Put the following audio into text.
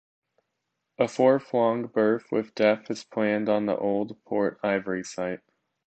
A fourth long berth with depth is planned on the old Port Ivory site.